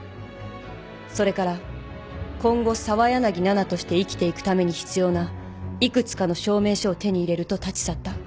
それから今後澤柳菜々として生きていくために必要な幾つかの証明書を手に入れると立ち去った。